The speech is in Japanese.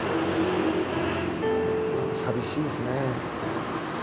寂しいですね。